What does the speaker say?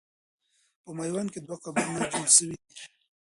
په میوند کې دوه قبرونه جوړ سوي دي.